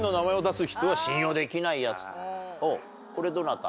これどなた？